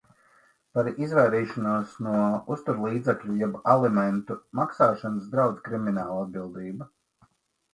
Par izvairīšanos no uzturlīdzekļu jeb alimentu maksāšanas draud kriminālatbildība.